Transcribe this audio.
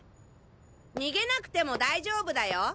逃げなくても大丈夫だよ。